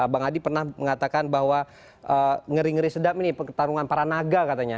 bang adi pernah mengatakan bahwa ngeri ngeri sedap nih pertarungan para naga katanya